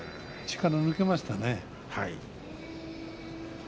力、抜けましたね。